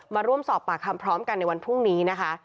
มาร่วมสอบปากคำพร้อมกันในวันพรุ่งนี้นะคะ